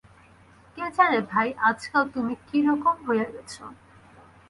কে জানে ভাই, আজকাল তুমি কী রকম হইয়া গেছ।